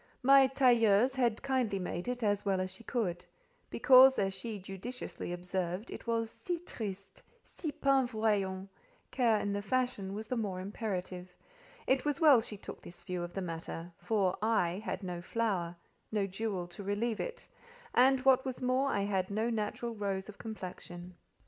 My tailleuse had kindly made it as well as she could: because, as she judiciously observed, it was "si triste—si pen voyant," care in the fashion was the more imperative: it was well she took this view of the matter, for I, had no flower, no jewel to relieve it: and, what was more, I had no natural rose of complexion.